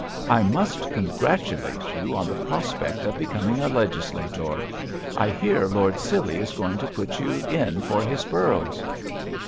"I must congratulate you on the prospect of becoming a legislator. I hear Lord Scilly is going to put you in for his boroughs."